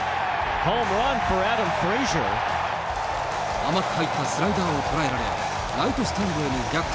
甘く入ったスライダーを捉えられ、ライトスタンドへの逆転